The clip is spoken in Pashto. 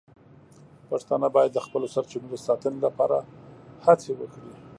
پښتانه باید د خپلو سرچینو د ساتنې لپاره هڅې وکړي.